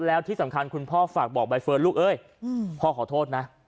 แล้วที่สำคัญคุณพ่อฝากบอกใบเฟิร์นลูกเอ้ยพ่อขอโทษนะ